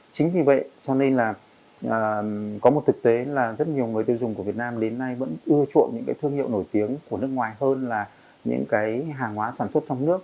chính vì vậy có một thực tế là rất nhiều người tiêu dùng của việt nam đến nay vẫn ưa chuộng những thương hiệu nổi tiếng của nước ngoài hơn là những hàng hóa sản xuất trong nước